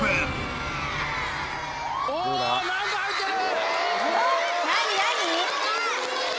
お何か入ってる！